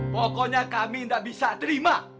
pokoknya kami tidak bisa terima